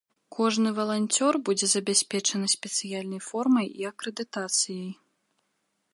Кожны валанцёр будзе забяспечаны спецыяльнай формай і акрэдытацыяй.